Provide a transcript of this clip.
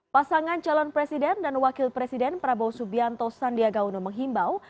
pasangan calon presiden dan wakil presiden prabowo subianto sandiaga uno menghimbau